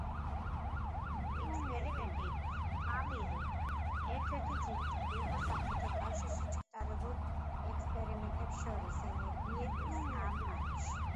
ექსპერიმენტი „პამირი“ ერთ-ერთი ძირითადი იყო საბჭოთა კავშირში ჩატარებულ ექსპერიმენტებს შორის ენერგიების ამ არეში.